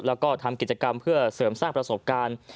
แล้วก็ทำกิจกรรมเพื่อเสริมสร้างประสบการณ์